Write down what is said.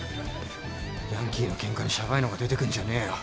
ヤンキーのケンカにシャバいのが出てくんじゃねえよ。